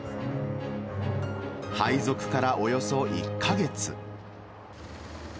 配属からおよそ１か月。